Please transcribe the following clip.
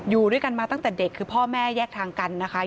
อยู่ด้วยกันมาตั้งแต่เด็กคือพ่อแม่แยกทางกันนะคะ